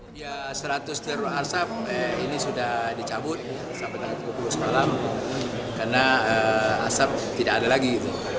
dia seratus darurat asap ini sudah dicabut sampai tanggal tiga puluh sekalam karena asap tidak ada lagi